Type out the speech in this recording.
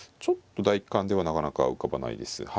ちょっと第一感ではなかなか浮かばないです。